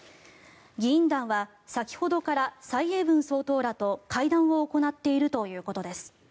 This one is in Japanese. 議員団は先ほどから蔡英文総統らと会談を行っているということです。